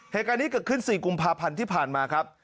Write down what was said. เหตุการณ์นี้เกิดขึ้น๔กุมภาพันธ์ที่ผ่านมาครับ